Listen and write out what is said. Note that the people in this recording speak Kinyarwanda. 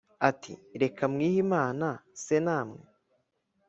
Ati: "Reka mwihimana se na mwe!